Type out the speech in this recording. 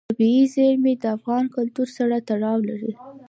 طبیعي زیرمې د افغان کلتور سره تړاو لري.